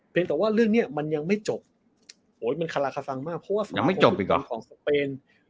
เพียงแต่ว่าเรื่องเนี่ยมันยังไม่จบโหยมันคาราคาฟังมากเพราะว่าสมาคมฟุตบอลของสเปน